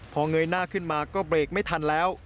พอเงยหน้าขึ้นมาก็เบรกไม่ทันแล้ว